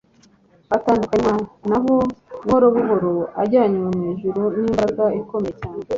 atandukanywa na bo buhoro buhoro ajyanywe mu ijuru n'imbaraga ikomeye cyane